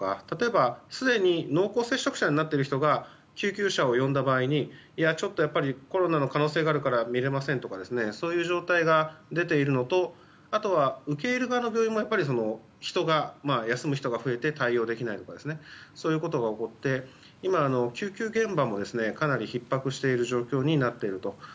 例えば、すでに濃厚接触者になっている人が救急車を呼んだ場合にコロナの可能性があるから診れませんとかそういう状態が出ているのとあとは、受け入れ側の病院も休む人が増えて対応できないとかそういうことが起こって今、救急現場もかなりひっ迫している状況になっていると。